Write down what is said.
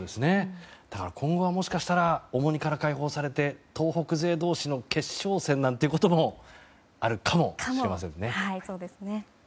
だから今後はもしかしたら重荷から解放されて東北勢同士の決勝戦ということもあるかもしれませんね。